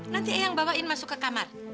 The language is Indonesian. nanti yang bawain masuk ke kamar